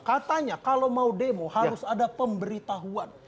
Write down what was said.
katanya kalau mau demo harus ada pemberitahuan